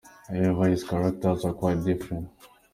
However, his characters are quite different.